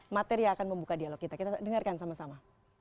materi yang akan membuka dialog kita kita dengarkan sama sama